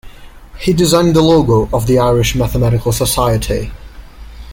He designed the logo of the Irish Mathematical Society.